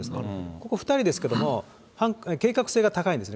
ここ２人ですけども、計画性が高いんですね。